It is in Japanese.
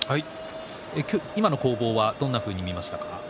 今の攻防はどんなふうに見ましたか？